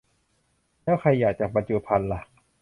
แล้วขยะจากบรรจุภัณฑ์ล่ะ